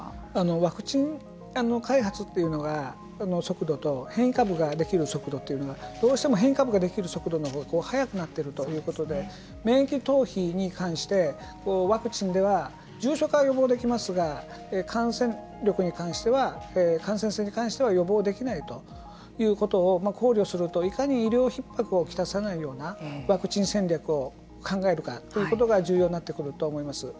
ワクチン開発という速度と変異株ができる速度というのがどうしても変異株ができる速度のほうが早くなってるということで免疫逃避に関してワクチンでは重症化は予防できますが感染力に関しては感染性に関しては予防できないということを考慮するといかに医療ひっ迫を来さないようなワクチン戦略を考えるかということが重要になってくると思います。